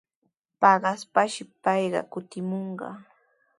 Paqaspashi payqa kutimunqa.